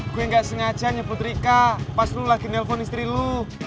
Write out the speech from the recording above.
gue gak sengaja nyebut rika pas lu lagi nelfon istri lu